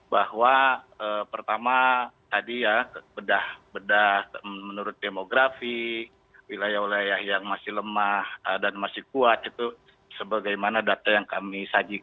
bahwa pertama tadi ya bedah bedah menurut demografi wilayah wilayah yang masih lemah dan masih kuat itu sebagaimana data yang kami sajikan